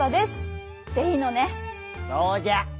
そうじゃ。